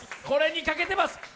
これに賭けてます。